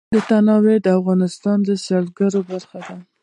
تنوع د افغانستان د سیلګرۍ برخه ده.